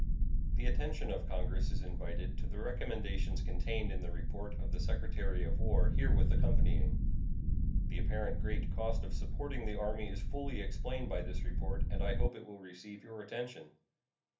The attention of Congress is invited to the recommendations contained in the report of the Secretary of War herewith accompanying. The apparent great cost of supporting the Army is fully explained by this report, and I hope will receive your attention.